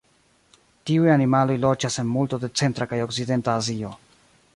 Tiuj animaloj loĝas en multo de centra kaj okcidenta Azio.